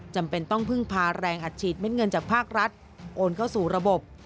จำเป็นต้องพึ่งพาแรงอัดฉีดเม็ดเงินจากภาครัฐโอนเข้าสู่ระบบ